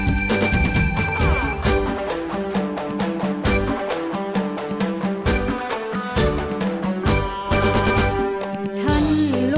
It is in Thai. ขอโชคดีค่ะ